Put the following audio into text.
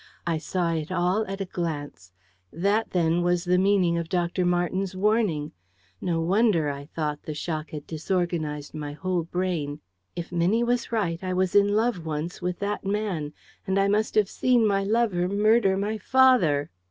I saw it all at a glance. That, then, was the meaning of Dr. Marten's warning! No wonder, I thought, the shock had disorganised my whole brain. If Minnie was right, I was in love once with that man. And I must have seen my lover murder my father!